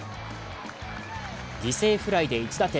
犠牲フライで１打点。